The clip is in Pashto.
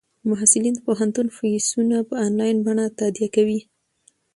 محصلین د پوهنتون فیسونه په انلاین بڼه تادیه کوي.